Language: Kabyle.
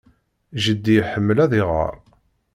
Jeddi iḥemmel ad iɣer.